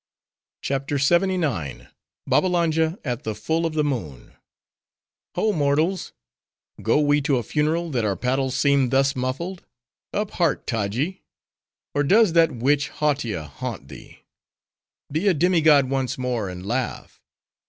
CHAPTER LXXIX. Babbalanja At The Full Of The Moon "Ho, mortals! Go we to a funeral, that our paddles seem thus muffled? Up heart, Taji! or does that witch Hautia haunt thee? Be a demi god once more, and laugh.